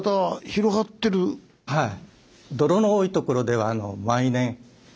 はい。